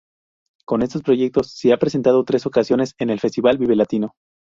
Con estos proyectos se ha presentado tres ocasiones en el Festival Vive Latino.